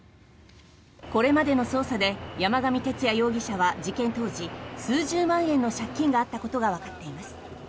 これまでの捜査で山上徹也容疑者は事件当時数十万円の借金があったことがわかっています。